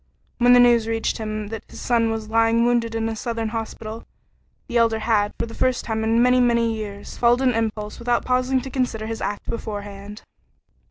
When the news reached him that his son was lying wounded in a southern hospital, the Elder had, for the first time in many, many years, followed an impulse without pausing to consider his act beforehand.